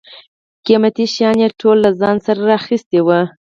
قیمتي شیان یې ټول له ځان سره را اخیستي و.